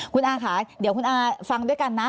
คุณอาค่ะเดี๋ยวคุณอาฟังด้วยกันนะ